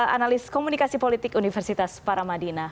analis komunikasi politik universitas paramadina